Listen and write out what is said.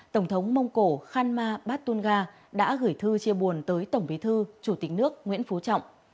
tổng thống mông cổ khanma bhatunga đã gửi thư chia buồn tới tổng bí thư chủ tịch nước nguyễn phú trọng